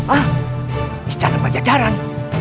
ah kita dapat jajaran